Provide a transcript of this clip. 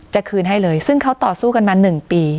จะคืนให้เลยซึ่งเขาต่อสู้กันมา๑ปี